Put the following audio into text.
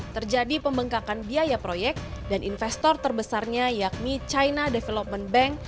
terjadi pembengkakan biaya proyek dan investor terbesarnya yakni china development bank